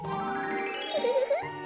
ウフフフ。